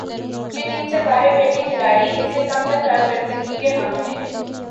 کہ ٹیم سے باہر بیٹھے کھلاڑی ان سے کم تر کارکردگی کے حامل ہیں ۔